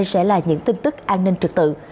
sẽ là những tin tức an ninh trực tự